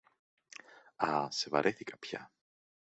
Α, σε βαρέθηκα πια!